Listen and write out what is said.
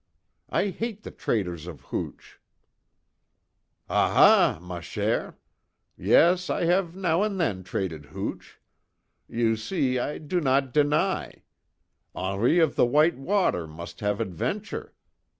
I hate the traders of hooch." "Ah ha! Ma chère! Yes, I have now and then traded hooch. You see, I do not deny. Henri of the White Water must have adventure.